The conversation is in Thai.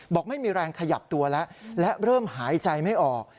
บอกไม่มีแรงขยับตัวแล้วและเริ่มหายใจไม่ออก